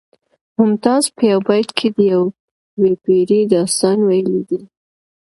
ممتاز په یو بیت کې د یوې پیړۍ داستان ویلی دی